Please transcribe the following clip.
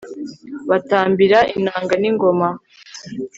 batambira inanga n'ingoma